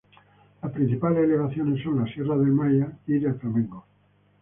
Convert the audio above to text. Las principales elevaciones son las Sierras del Maia y del Flamengo.